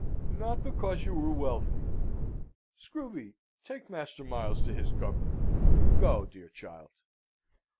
" not because you are wealthy! Screwby, take Master Miles to his governor. Go, dear child.